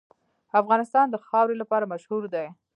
افغانستان د خاوره لپاره مشهور دی.